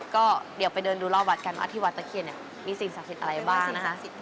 ก็เดี๋ยวไปเดินดูรอบวัดกันว่าที่วัดตะเคียนเนี่ยมีสิ่งศักดิ์สิทธิ์อะไรบ้างใช่ไหมคะ